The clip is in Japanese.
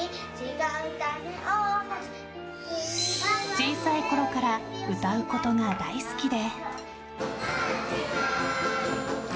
小さいころから歌うことが大好きで。